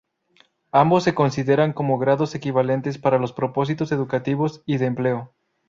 Ambos se consideran como grados equivalentes para los propósitos educativos y de empleo.